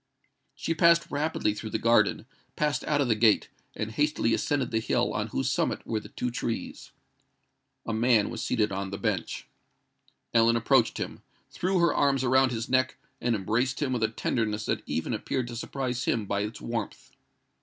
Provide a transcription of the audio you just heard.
She passed rapidly through the garden, passed out of the gate, and hastily ascended the hill on whose summit were the two trees. A man was seated on the bench. Ellen approached him, threw her arms round his neck, and embraced him with a tenderness that even appeared to surprise him by its warmth.